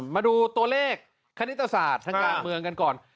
มาดูตัวเลขคณิตศาสตร์ทางการเมืองกันก่อน